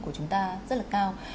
của chúng ta rất là cao